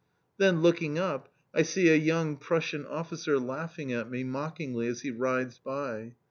Then, looking up, I see a young Prussian officer laughing at me mockingly as he rides by.